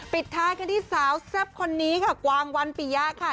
ปิดท้ายกันที่สาวแซ่บคนนี้ค่ะกวางวันปียะค่ะ